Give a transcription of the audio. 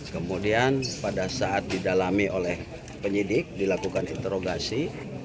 kemudian pada saat didalami oleh penyidik dilakukan interogasi